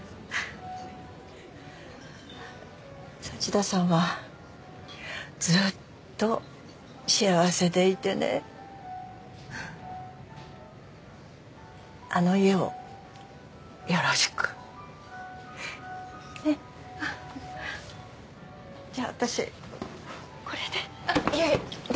幸田さんはずっと幸せでいてねあの家をよろしくねっじゃあ私これであっいえいええっ